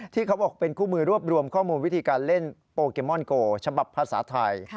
ที่เขาบอกเป็นคู่มือรวบรวมข้อมูลวิธีการเล่นโปเกมอนโกฉบับภาษาไทย